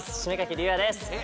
龍也です